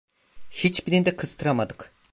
Hiçbirinde kıstıramadık.